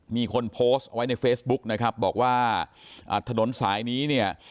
มีคนโพสต์ไว้ในเฟซบุ๊กนะครับบอกว่าอ่าถนนสายนี้เนี่ย